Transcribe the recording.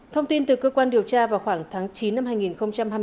thông tin từ cơ quan điều tra vào khoảng tháng chín năm hai nghìn hai mươi ba